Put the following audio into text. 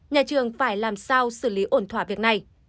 nhà trường phải làm sao xử lý ổn thỏa việc này